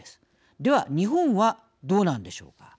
では日本はどうなんでしょうか。